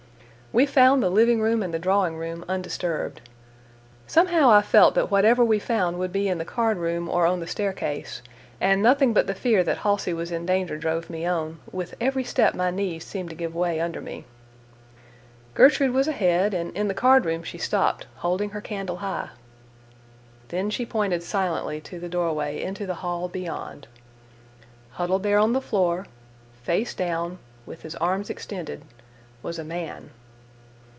We found the living room and the drawing room undisturbed. Somehow I felt that whatever we found would be in the card room or on the staircase, and nothing but the fear that Halsey was in danger drove me on; with every step my knees seemed to give way under me. Gertrude was ahead and in the card room she stopped, holding her candle high. Then she pointed silently to the doorway into the hall beyond. Huddled there on the floor, face down, with his arms extended, was a man.